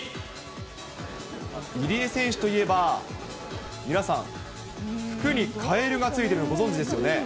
入江選手といえば、皆さん、服にカエルがついているのご存じですよね。